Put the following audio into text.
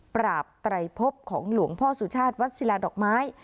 ไตรพบของหลวงพ่อสุชาติวัดศิลาดอกไม้